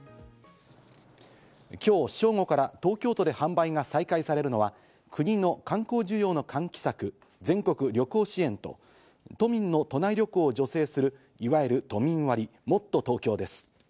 今日正午から東京都で販売が再開されるのは国の観光需要の喚起策、全国旅行支援と都民の都内旅行を助成するいわゆると都民割、もっとＴｏｋｙｏです。